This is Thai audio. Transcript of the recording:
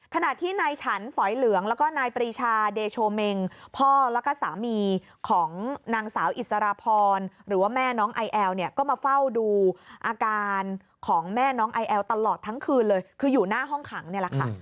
ขณะที่นายฉันฝอยเหลืองแล้วก็นายปรีชาเดโชเมงพ่อแล้วก็สามีของนางสาวอิสรพรหรือว่าแม่น้องไอแอลเนี่ยก็มาเฝ้าดูอาการของแม่น้องไอแอลตลอดทั้งคืนเลยคืออยู่หน้าห้องขังนี่แหละค่ะ